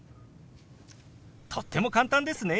とっても簡単ですね。